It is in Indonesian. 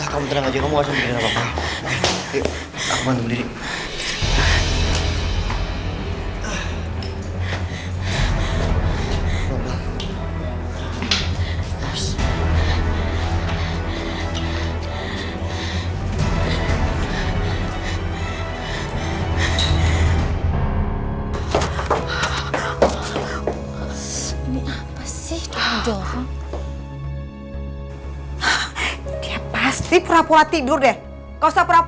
kamu tenang aja kamu gak usah mikirin apa apa